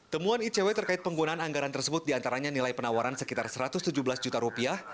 temuan icw terkait penggunaan anggaran tersebut diantaranya nilai penawaran sekitar satu ratus tujuh belas juta rupiah